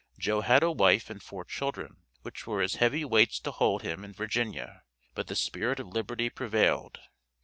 Joe had a wife and four children, which were as heavy weights to hold him in Virginia, but the spirit of liberty prevailed.